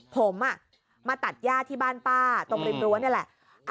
ผมมาตัดย่าที่บ้านป้าตรงริมรั้วนี่แหละ